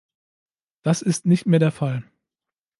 Das ist nicht mehr der Fall.